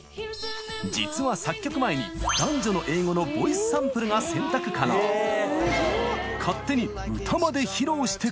実は作曲前に男女の英語のボイスサンプルが選択可能が見たら。